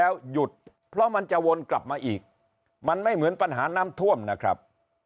แล้วหยุดเพราะมันจะวนกลับมาอีกมันไม่เหมือนปัญหาน้ำท่วมนะครับ